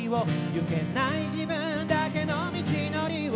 「いけない自分だけの道のりを」